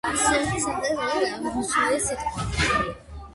არსებითი სახელი საგნის აღმნიშვნელი სიტყვაა.